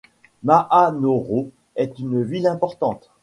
Mahanoro est une ville importante.